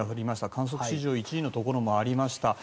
観測史上１位のところもありました。